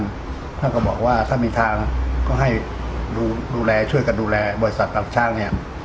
ก็ใช่ได้เฟื่อว่าถ้ามีทางก็ให้ช่วยกันดูแลบริษัทตางช่าง